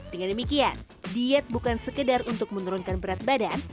dengan demikian diet bukan sekedar untuk menurunkan berat badan